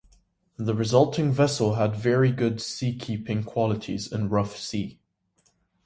The resulting vessel had very good seakeeping qualities in rough sea.